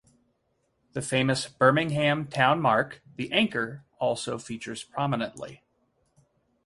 The famous Birmingham town mark, the anchor, also features prominently.